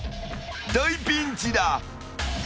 ［大ピンチだ］